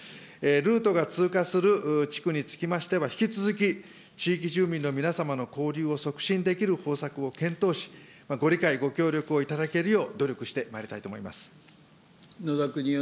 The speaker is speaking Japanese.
ルートが通過する地区につきましては、引き続き地域住民の皆様の交流を促進できる方策を検討し、ご理解、ご協力をいただけるよう努力してまいりたいと思います。